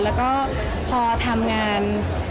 แล้วก็พอทำงาน